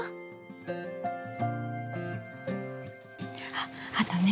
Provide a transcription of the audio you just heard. あっあとね